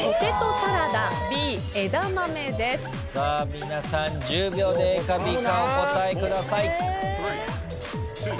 皆さん１０秒でＡかＢかお答えください。